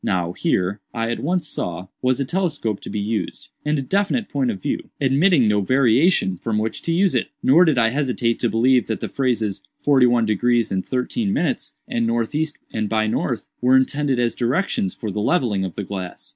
Now here, I at once saw, was a telescope to be used, and a definite point of view, admitting no variation, from which to use it. Nor did I hesitate to believe that the phrases, 'forty one degrees and thirteen minutes,' and 'northeast and by north,' were intended as directions for the levelling of the glass.